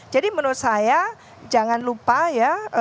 jadi menurut saya jangan lupa ya